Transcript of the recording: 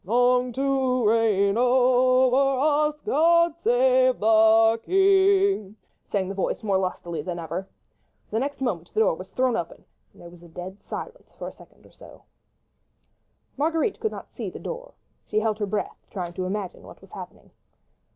"Long to reign over us, God save the King!" sang the voice more lustily than ever. The next moment the door was thrown open and there was dead silence for a second or so. Marguerite could not see the door: she held her breath, trying to imagine what was happening.